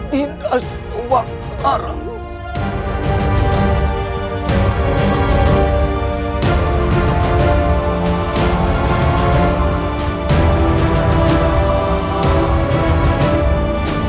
dinas wak terakhir